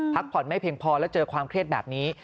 พักผ่อนไม่เพียงพอแล้วเจอความเครียดแบบนี้